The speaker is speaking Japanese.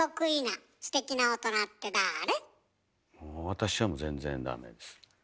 私はもう全然ダメです。